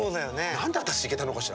何で私行けたのかしら。